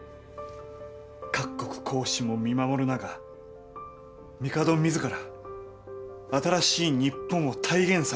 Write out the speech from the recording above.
各国公使も見守る中帝自ら新しい日本を体現される。